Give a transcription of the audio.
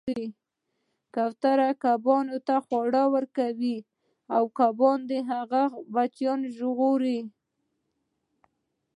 کوترې کبانو ته خواړه ورکول او کبانو د هغې بچیان وژغورل